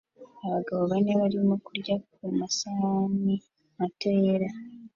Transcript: Abagabo bane barimo kurya ku masahani mato yera